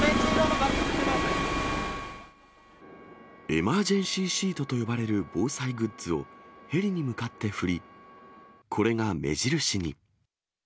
エマージェンシーシートと呼ばれる防災グッズを、ヘリに向かって振り、これが目印に。